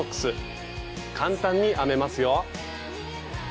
簡単に編めますよ。